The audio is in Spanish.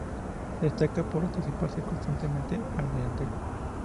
Se destaca por anticiparse constantemente al delantero.